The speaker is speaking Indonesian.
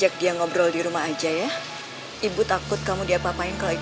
terima kasih pak